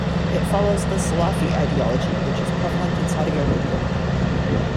It follows the Salafi ideology which is prevalent in Saudi Arabia.